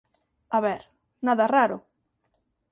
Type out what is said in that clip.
A ver, nada raro.